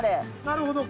なるほど。